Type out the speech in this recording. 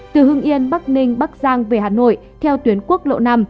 từ hưng yên bắc ninh bắc giang về hà nội theo tuyến quốc lộ năm